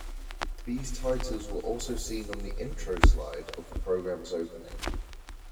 These titles were also seen on the intro slide of the program's opening.